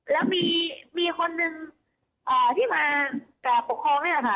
แล้วมีคนนึงที่มาปกครองนี่แหละค่ะ